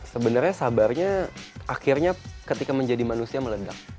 sebenarnya sabarnya akhirnya ketika menjadi manusia itu bisa menangani mas raka ya